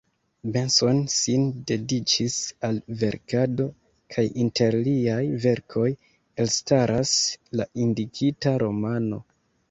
Benson sin dediĉis al verkado; kaj inter liaj verkoj elstaras la indikita romano.